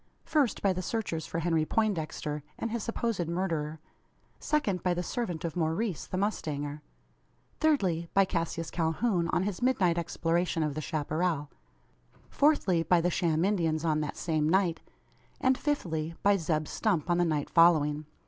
First, by the searchers for Henry Poindexter and his supposed murderer; second, by the servant of Maurice the mustanger; thirdly, by Cassius Calhoun, on his midnight exploration of the chapparal; fourthly, by the sham Indians on that same night: and, fifthly, by Zeb Stump on the night following.